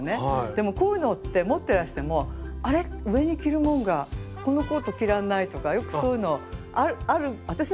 でもこういうのって持ってらしてもあれっ上に着るものがこのコート着られないとかよくそういうのある私なんかあるんですけど。